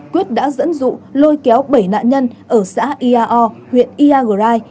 quyết đã dẫn dụ lôi kéo bảy nạn nhân ở xã iao huyện iagrai